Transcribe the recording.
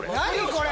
これ。